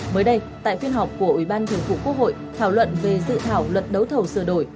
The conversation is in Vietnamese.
mới đây tại phiên họp của ủy ban thường vụ quốc hội thảo luận về dự thảo luật đấu thầu sửa đổi